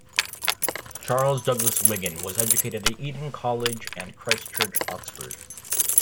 Charles Douglas Wiggin was educated at Eton College and Christ Church, Oxford.